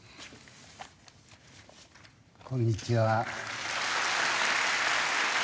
こんにちは。